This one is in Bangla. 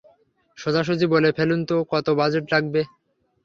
সোজাসুজি বলে ফেলুন তো, কত বাজেট লাগবে?